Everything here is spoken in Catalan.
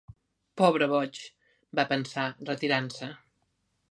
-Pobre boig!- va pensar, retirant-se